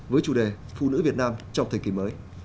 với chủ đề phụ nữ việt nam trong thời kỳ mới